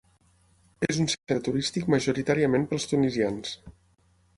És un centre turístic majoritàriament pels tunisians.